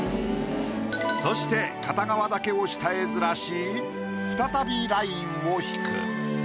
そして片側だけを下へずらし再びラインを引く。